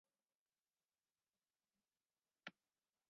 Twajyaga dukoresha toni Magana cyenda ku kwezi,